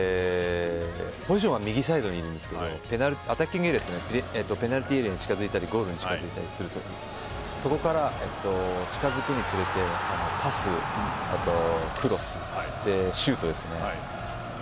ポジションは右サイドなんですけどアタッキングエリアというのはペナルティーエリアに近づいたりゴールに近づいたりするとそこから近づくにつれてパス、クロス、シュートですね。